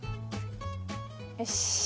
よし。